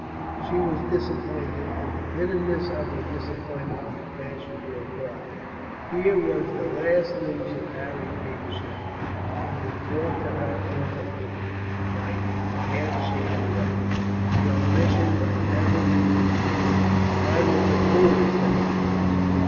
She was disappointed, and the bitterness of her disappointment gave passion to her cry. Here was the last news of Harry Feversham, and it was brought to her incomplete, like the half sheet of a letter. The omission might never be repaired. "I was a fool," said Durrance.